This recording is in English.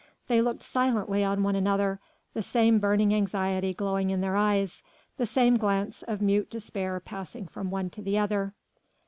They looked silently on one another, the same burning anxiety glowing in their eyes, the same glance of mute despair passing from one to the other.